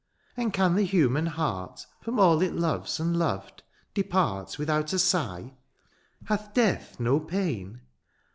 — and can the human heart, " From all it loves and loved, depart *^ Without a sigh ?— ^hath death no pain